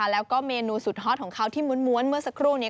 แล้วก็เมนูสุดฮอตของเขาที่ม้วนเมื่อสักครู่นี้